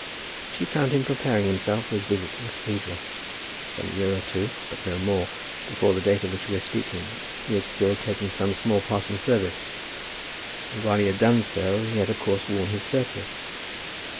She found him preparing himself for his visit to the cathedral. Some year or two, but no more, before the date of which we are speaking, he had still taken some small part in the service; and while he had done so he had of course worn his surplice.